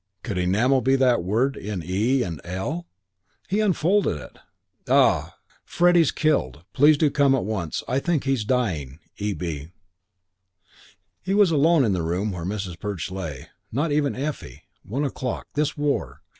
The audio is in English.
could Enamel be that word in e and l? He unfolded it. Ah! "Freddie's killed. Please do come at once. I think she's dying. E.B." CHAPTER VIII I He was alone in the room where Mrs. Perch lay, not even Effie. One o'clock. This war!